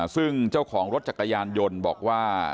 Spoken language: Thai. ซึ่งเจ้าของรถจักรยานยนต์บอกว่า